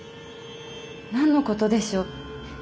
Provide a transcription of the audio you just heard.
何のことでしょう。